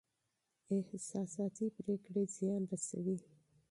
احساساتي پرېکړې زيان رسوي.